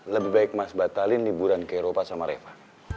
lebih baik mas batalin liburan ke eropa sama reva